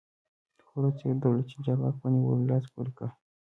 خو وروسته یې د دولتي چارواکو په نیولو لاس پورې کړ.